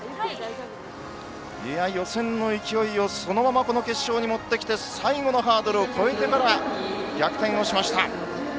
予選の勢いをそのままこの決勝に持ってきて最後のハードルを越えてから逆転をしました。